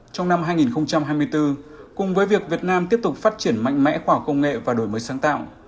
trong năm hai nghìn hai mươi bốn cùng với việc việt nam tiếp tục phát triển mạnh mẽ khoa học công nghệ và đổi mới sáng tạo